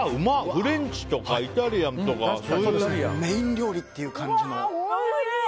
フレンチとかイタリアンとかメイン料理という感じの。